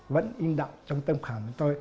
vẫn in đạo trong tâm khảm của tôi